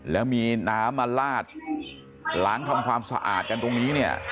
แล้วมีน้ำมาลาดล้างทำความสะอาดกันตรงนี้เนี่ย